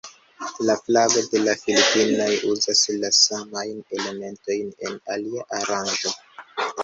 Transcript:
La flago de la Filipinoj uzas la samajn elementojn en alia aranĝo.